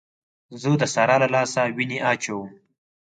زه د سارا له لاسه وينې اچوم.